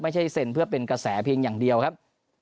ไม่ใช่เซ็นเพื่อเป็นกระแสเพียงอย่างเดียวครับ